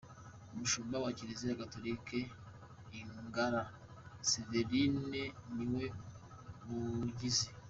Umushumba wa kiliziya gatolika i Ngara Saverine Niwemugizi .